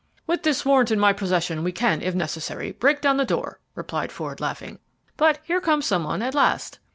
"With this warrant in my possession we can, if necessary, break down the door," replied Ford, laughing. "But here comes some one at last."